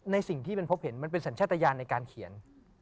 ในสิ่งที่ผมพบเห็นมันเป็นสัญชะตาญาณในการเขียน